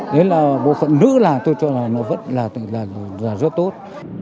đấy là bộ phận nữ là tôi cho là nó vẫn là rất tốt